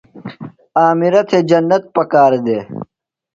عامرہ تھےۡ جنت پکار دےۡ۔